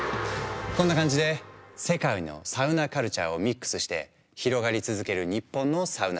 こんな感じで世界のサウナカルチャーをミックスして広がり続ける日本のサウナシーン。